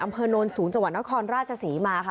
อำเภณนท์ศูนย์จังหวัดนครราชศรีมาค่ะ